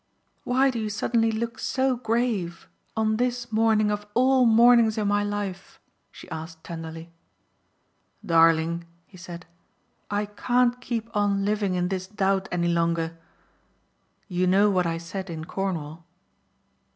"Why do you suddenly look so grave on this morning of all mornings in my life?" she asked tenderly. "Darling," he said, "I can't keep on living in this doubt any longer. You know what I said in Cornwall?"